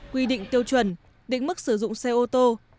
quy định tiêu chuẩn định mức sử dụng xe ô tô